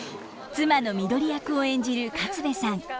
妻の緑役を演じる勝部さん。